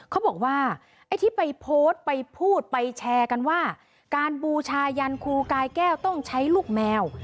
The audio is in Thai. เขาบอกว่าไอ้ที่ไปโพสต์ไปพูดไปแชร์กันว่าการบูชายันครูกายแก้วต้องใช้ลูกแมว